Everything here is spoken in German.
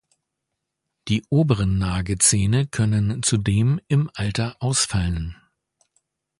Die oberen Nagezähne können zudem im Alter ausfallen.